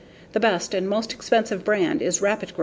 The best and most expensive brand is Rapid Gro.